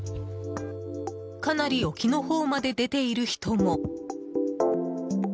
かなり沖の方まで出ている人も。